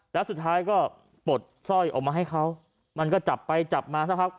แล้วสุดท้ายก็ปลดสร้อยออกมาให้เขามันก็จับไปจับมาสักพัก